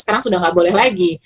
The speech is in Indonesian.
sekarang sudah nggak boleh lagi